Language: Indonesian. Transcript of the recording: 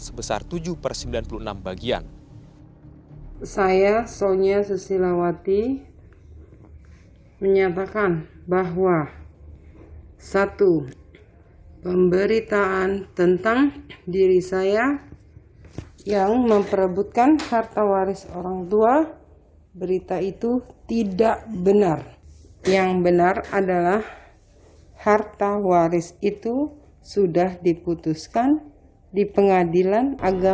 sebesar tujuh persen sembilan puluh enam bagian